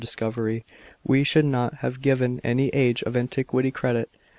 discovery, we should not have given any age of antiquity credit."